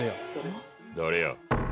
誰や？